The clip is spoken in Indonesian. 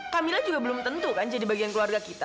camilan juga belum tentu kan jadi bagian keluarga kita